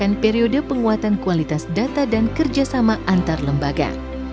dan pengelolaan pengelolaan yang berkualitas data dan kerjasama antar lembaga